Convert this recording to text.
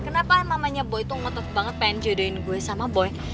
kenapa namanya boy itu ngotot banget pengen jodohin gue sama boy